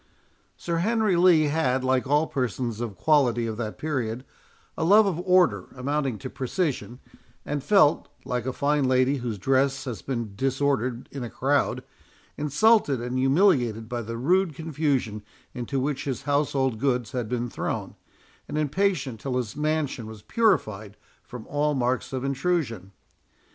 Sir Henry Lee had, like all persons of quality of that period, a love of order amounting to precision, and felt, like a fine lady whose dress has been disordered in a crowd, insulted and humiliated by the rude confusion into which his household goods had been thrown, and impatient till his mansion was purified from all marks of intrusion.